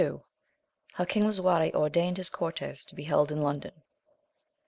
— How King Lisuarte ordained his Cortes to be held in London.